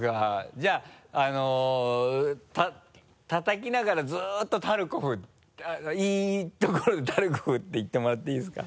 じゃあ叩きながらずっとタルコフいいところでタルコフって言ってもらっていいですか？